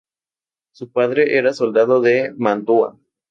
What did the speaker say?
Su padre era soldado de Mantua.